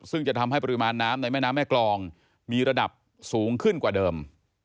ซึ่งจะทำให้ปริมาณน้ำในแม่น้ำแม่กรองมีระดับสูงขึ้นกว่าเดิม